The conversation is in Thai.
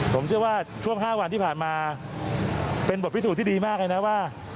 ผมเชื่อว่าช่วง๕วันที่ผ่านมาเป็นบทพิสูจน์ที่ดีมากเลยนะว่า